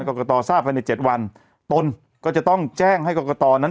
กรกตทราบภายใน๗วันตนก็จะต้องแจ้งให้กรกตนั้น